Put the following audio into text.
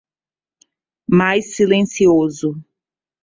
Mais silencioso